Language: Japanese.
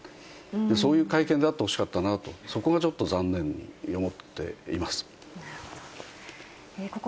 そういう会見であってほしかったなと、そこがちょっと残念に思っなるほど。